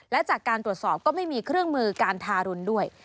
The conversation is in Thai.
และจากการตรวจสอบก็ไม่มีเครื่องมือการทารุณด้วย